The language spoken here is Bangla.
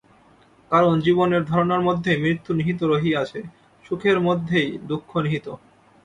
কারণ জীবনের ধারণার মধ্যেই মৃত্যু নিহিত রহিয়াছে, সুখের মধ্যেই দুঃখ নিহিত।